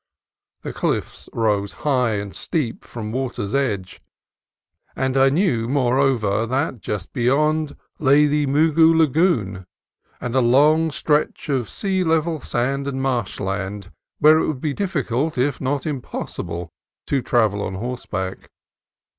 The cliffs rose high and steep from water's edge, and I knew, moreover, that just beyond lay the Mugu Lagoon and a long stretch of sea level sand and marshland where it would be difficult, if not impossible, to travel on horseback.